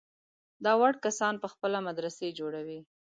دا وړ کسان په خپله مدرسې جوړوي.